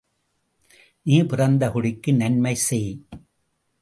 நீ பிறந்த குடிக்கு நன்மை செய்!